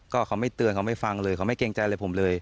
ก็เขาไม่เตือนเขาไม่ฟังเลยเขาไม่เกรงใจอะไรผมเลย